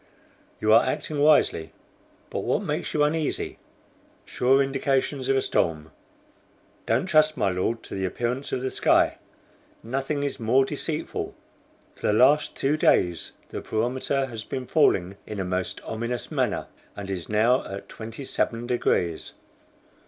"You are acting wisely; but what makes you uneasy?" "Sure indications of a storm. Don't trust, my Lord, to the appearance of the sky. Nothing is more deceitful. For the last two days the barometer has been falling in a most ominous manner, and is now at 27 degrees.